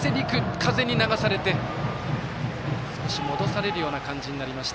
風に流されて少し戻されるような形になりました。